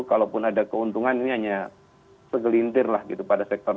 kalaupun ada keuntungan ini hanya segelintir lah gitu pada sektor